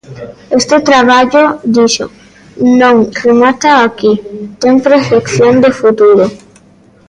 "Este traballo", dixo, "non remata aquí, ten proxección de futuro".